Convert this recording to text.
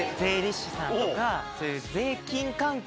そういう。